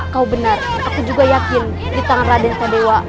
kau benar aku juga yakin di tangan raden sadewa